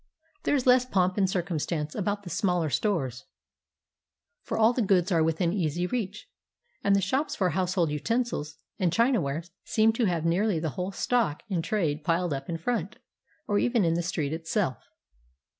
There is less pomp and circumstance about the smaller stores, for all the goods are within easy reach, and the shops for household utensils and chinaware seem to have nearly the whole stock in trade piled up in front, or even in the street itself.